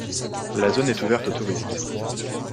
La zone est ouverte aux touristes.